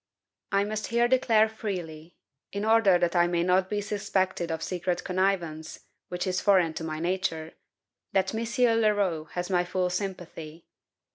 I must here declare freely in order that I may not be suspected of secret connivance, which is foreign to my nature that M. Leroux has my full sympathy.